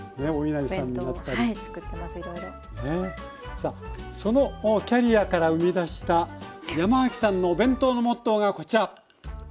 さあそのキャリアから生み出した山脇さんのお弁当のモットーがこちら。